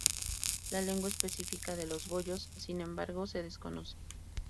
La lengua específica de los boyos, sin embargo, se desconoce.